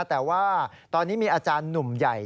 แต่ว่าตอนนี้มีอาจารย์หนุ่มใหญ่